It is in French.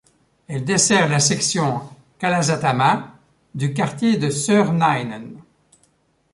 Elle dessert la section Kalasatama du quartier de Sörnäinen.